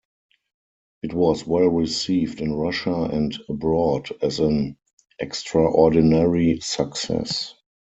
It was well received in Russia and abroad as an "extraordinary success".